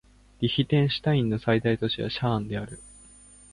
リヒテンシュタインの最大都市はシャーンである